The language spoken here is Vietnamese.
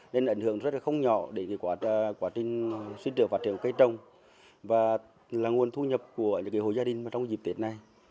nên ảnh hưởng rất là không nhỏ đến quá trình sinh trường phát triển của cây trồng và là nguồn thu nhập của những hồ gia đình trong dịp tiết này